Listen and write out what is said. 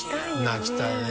泣きたいね。